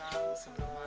selamat datang di lombok